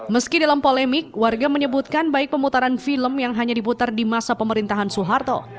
meski dalam polemik warga menyebutkan baik pemutaran film yang hanya diputar di masa pemerintahan soeharto